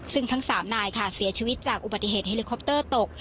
ซึ่งทั้ง๓นายค่ะเสียชีวิตจากอุบัติเหตุเฮลิคอปเตอร์ตก